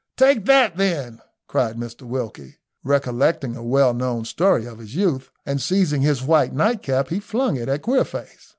"Take that, then!" cried Mr Wilkie, recollecting a well known story of his youth, and seizing his white night cap he flung it at Queerface.